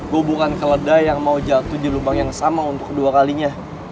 hubungan keledai yang mau jatuh di lubang yang sama untuk kedua kalinya